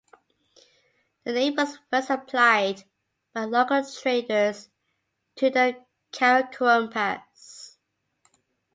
The name was first applied by local traders to the Karakoram Pass.